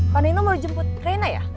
pak nino mau jemput reina ya